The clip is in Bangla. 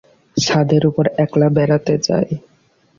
ছাদের উপর একলা বেড়াতে যায়।